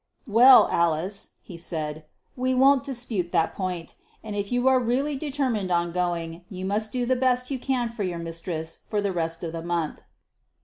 "Well, Alice," he said, "we won't dispute that point; and if you are really determined on going, you must do the best you can for your mistress for the rest of the month."